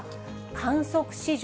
観測史上